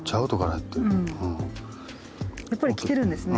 やっぱりきてるんですね。